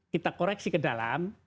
kita koreksi ke dalam